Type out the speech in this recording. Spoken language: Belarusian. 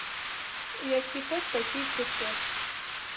Які поп, такі й прыход